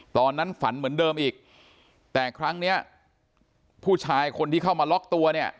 ตอนนั้นฝันเหมือนเดิมอีกแต่ครั้งเนี้ยผู้ชายคนที่เข้ามาล็อกตัวเนี่ย